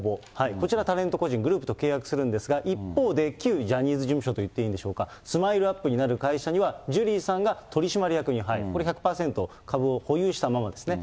こちら、タレント個人、グループと契約するんですが、一方で、旧ジャニーズ事務所といっていいんでしょうか、スマイルアップになる会社には、ジュリーさんが取締役に入る、これ１００％株を保有したままですね。